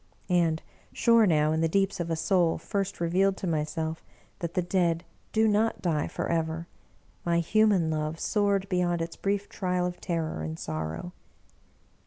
And, sure now, in the deeps of a soul first re vealed to myself, that the Dead do not die forever, my human love soared beyond its brief trial of terror and sor row.